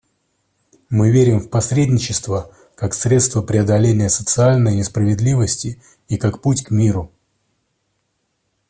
Мы верим в посредничество как средство преодоления социальной несправедливости и как путь к миру.